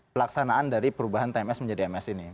pelaksanaan dari perubahan tms menjadi ms ini